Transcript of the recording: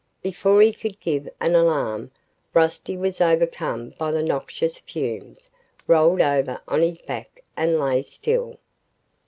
Before he could give an alarm, Rusty was overcome by the noxious fumes, rolled over on his back and lay still.